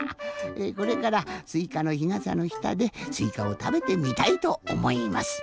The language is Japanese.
これからすいかのひがさのしたですいかをたべてみたいとおもいます。